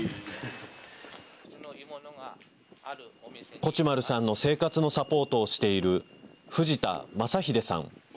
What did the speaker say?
コチュマルさんの生活のサポートをしている藤田正英さん。